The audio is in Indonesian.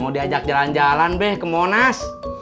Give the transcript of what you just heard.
di ajak jalan jalan be ke monas